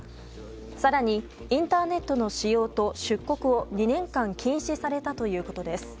更に、インターネットの使用と出国を２年間禁止されたということです。